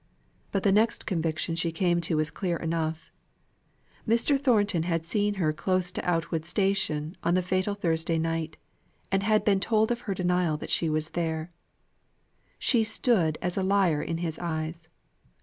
But the next conviction she came to was clear enough; Mr. Thornton had seen her close to Outwood station on the fatal Thursday night, and had been told of her denial that she was there. She stood a liar in his eyes.